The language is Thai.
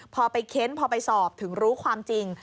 พอไปเค้นพอไปสอบถึงรู้ความจริง